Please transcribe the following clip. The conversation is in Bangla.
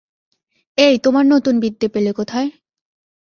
এই তোমার নতুন বিদ্যে পেলে কোথায়?